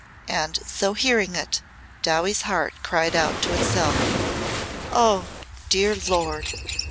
And so hearing it, Dowie's heart cried out to itself, "Oh! Dear Lord!"